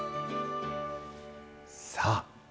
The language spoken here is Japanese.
さあ。